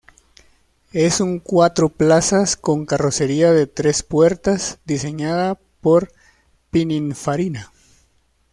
Es un cuatro plazas con carrocería de tres puertas diseñada por Pininfarina.